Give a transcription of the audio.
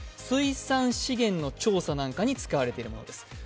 水産資源の調査なんかに使われているものです。